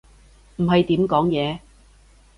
唔係點講嘢